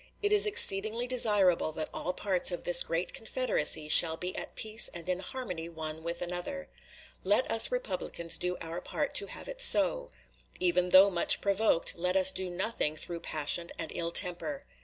It is exceedingly desirable that all parts of this great Confederacy shall be at peace and in harmony one with another. Let us Republicans do our part to have it so. Even though much provoked, let us do nothing through passion and ill temper.